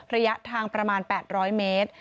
ระยะทางประมาณ๘๐๐เมตร